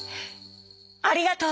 ありがとう！」。